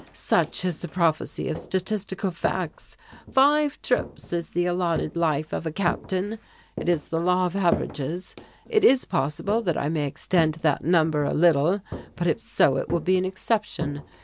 "Such is the prophecy of statistical facts: five trips is the allotted life of a Captain; it is the law of averages. It is possible that I may extend that number a little, but if so it will be an exception.